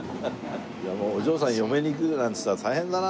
もうお嬢さん嫁に行くなんつったら大変だな